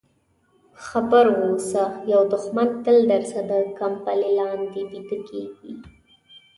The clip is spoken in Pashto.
خبر واوسه یو دښمن تل درسره د کمپلې لاندې ویده کېږي.